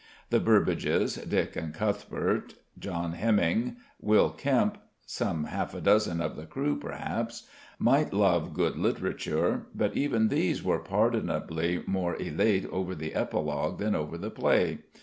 The Burbages, Dick and Cuthbert, John Heminge, Will Kempe some half a dozen of the crew perhaps might love good literature: but even these were pardonably more elate over the epilogue than over the play.